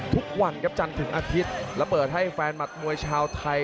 ทุกวันครับจันทร์ถึงอาทิตย์และเปิดให้แฟนหมัดมวยชาวไทย